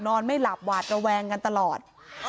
นอนไม่หลับหวาดระแวงกันตลอด